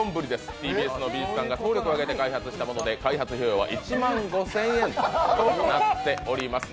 ＴＢＳの美術さんが総力を挙げて開発をしたもので開発費用は１万５０００円となっております。